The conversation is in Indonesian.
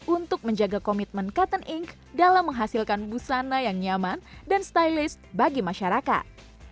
untuk menjaga komitmen cotton inc dalam menghasilkan busana yang nyaman dan stylist bagi masyarakat